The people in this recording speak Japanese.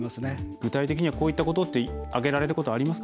具体的にこういったことと挙げられることはありますか？